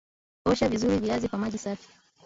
Osha vizuri viazi kwa maji safi